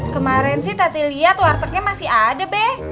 kemarin sih tati liat wartegnya masih ada be